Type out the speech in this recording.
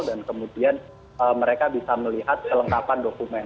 dan kemudian mereka bisa melihat kelengkapan dokumen